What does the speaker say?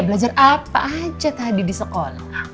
belajar apa aja tadi di sekolah